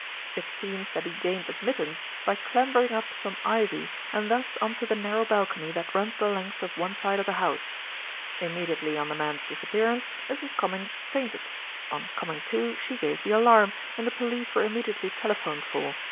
It seems that he gained admittance by clambering up some ivy and thus on to the narrow balcony that runs the length of one side of the house. Immediately on the man's disappearance, Mrs. Comminge fainted. On coming to she gave the alarm, and the police were immediately telephoned for.